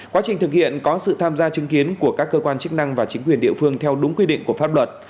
quá trình thực hiện có sự tham gia chứng kiến của các cơ quan chức năng và chính quyền địa phương theo đúng quy định của pháp luật